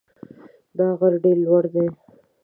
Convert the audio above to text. دا غر ډېر لوړ دی.